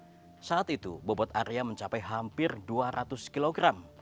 dan saat itu bobot arya mencapai hampir dua ratus kg